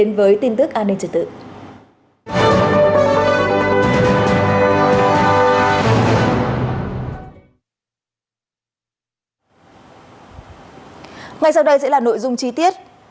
ngay sau đây sẽ là nội dung chi tiết